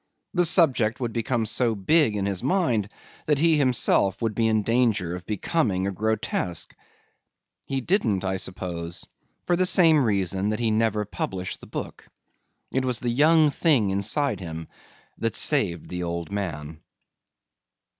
The subject would become so big in his mind that he himself would be in danger of becoming a grotesque. He didn't, I suppose, for the same reason that he never published the book. It was the young thing inside him that saved the old man.